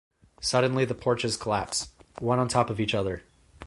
Suddenly the porches collapse, one on top of each other.